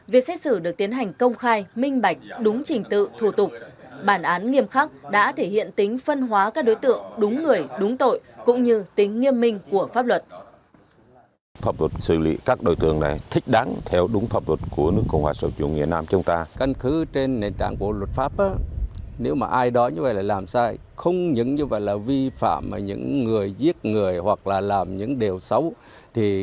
việc xét xử được tiến hành công khai minh bạch đúng trình tự thủ tục bản án nghiêm khắc đã thể hiện tính phân hóa các đối tượng đúng người đúng tội cũng như tính nghiêm minh của pháp luật